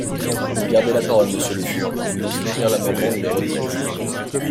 Vous gardez la parole, monsieur Le Fur, pour soutenir l’amendement numéro treize.